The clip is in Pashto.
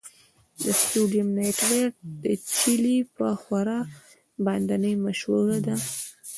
د سوډیم نایټریټ د چیلي په ښوره باندې مشهوره ده.